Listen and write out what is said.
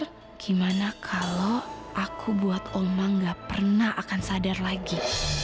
bagaimana kalau aku buat oma tidak pernah akan sadar lagi